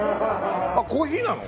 あっコーヒーなの？